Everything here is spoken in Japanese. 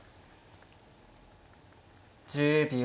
１０秒。